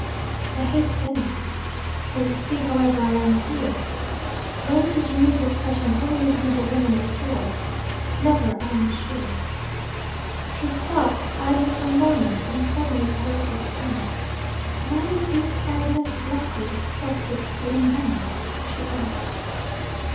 I hate Venice. As you see, however, I am here. When did you meet with such an unreasonable woman before? Never, I am sure!' She stopped, eyed him for a moment, and suddenly altered her tone. 'When is Miss Agnes Lockwood expected to be in Venice?' she asked.